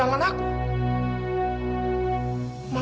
tak pengennya apa apa